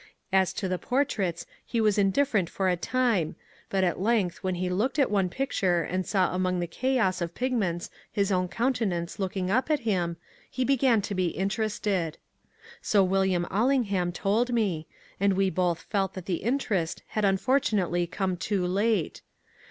As to the portraits he was indi£Ferent for a time, but at length when he looked at one picture and saw among the chaos of pigments his own countenance looking up at him, he began to be interested. So William AUingham told me, and we both felt that the interest had unfortunately come too late.